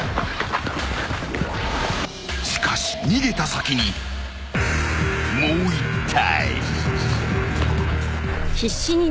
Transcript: ［しかし逃げた先にもう１体］